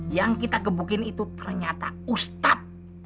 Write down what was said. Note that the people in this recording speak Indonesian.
yang kita gebukin itu ternyata ustadz